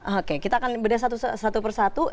oke kita akan bedah satu per satu